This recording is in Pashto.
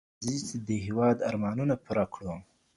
راځئ چي د هېواد ارمانونه پوره کړو.